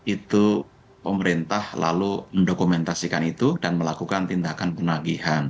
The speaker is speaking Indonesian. itu pemerintah lalu mendokumentasikan itu dan melakukan tindakan penagihan